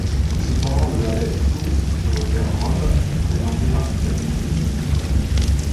C’est cependant le label Source, qui repère Rob, présenté par ses amis de Phoenix.